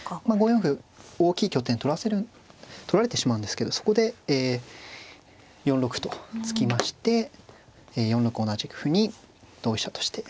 ５四歩大きい拠点取らせる取られてしまうんですけどそこで４六歩と突きまして４六同じく歩に同飛車として。